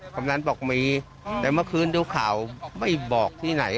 คำนั้นบอกมีแต่เมื่อคืนดูข่าวไม่บอกที่ไหน